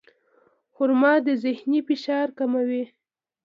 خرما د ذهني فشار کموي.